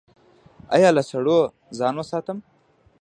ایا له سړو ځان وساتم؟